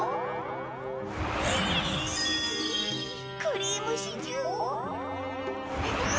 クリームシチュー。